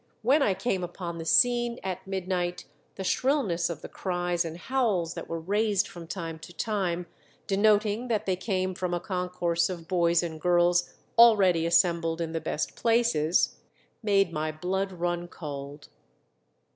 When I came upon the scene at midnight, the shrillness of the cries and howls that were raised from time to time, denoting that they came from a concourse of boys and girls already assembled in the best places, made my blood run cold."